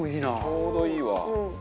ちょうどいいわ。